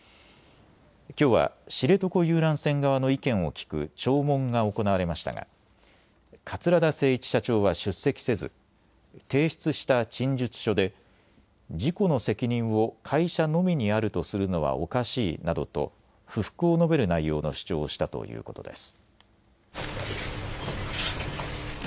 きょうは知床遊覧船側の意見を聞く聴聞が行われましたが桂田精一社長は出席せず提出した陳述書で事故の責任を会社のみにあるとするのはおかしいなどと不服を述べる内容の主張をしたということです。